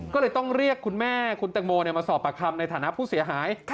ก็เลยต้องเรียกคุณแม่คุณแตงโมมาสอบปากคำในฐานะผู้เสียหาย